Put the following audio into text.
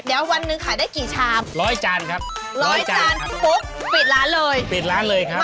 เดี๋ยววันหนึ่งขายได้กี่ชามร้อยจานครับร้อยจานปุ๊บปิดร้านเลยปิดร้านเลยครับ